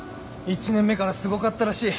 １年目からすごかったらしい。